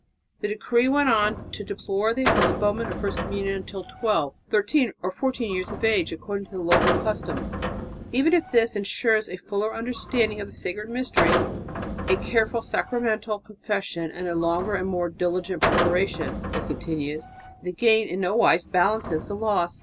The decree went on to deplore the postponement of first communion until twelve, thirteen or fourteen years of age, according to local customs. "Even if this ensures a fuller understanding of the sacred mysteries, a careful sacramental confession and a longer and more diligent preparation," it continues, "the gain in no wise balances the loss.